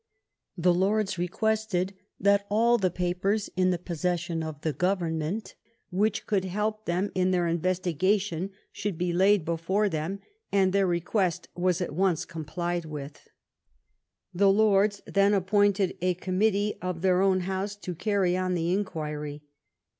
The Lords requested that all the papers in the possession of the government which could help them in their investigation should be laid before them, and their request was at once com plied with. The Lords then appointed a committee of their own House to carry on the inquiry.